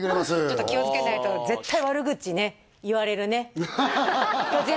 ちょっと気をつけないと絶対悪口ね言われるね